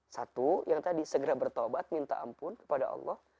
satu yang tadi segera bertobat minta ampun kepada allah